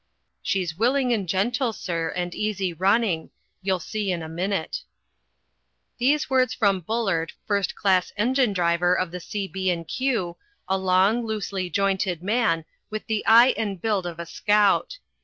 "She's willing and gentle, sir, and easy running. You'll see in a minute." These words from Bullard, first class engine driver of the C. B. & Q., a long, loosely jointed man, with the eye and build of a scout.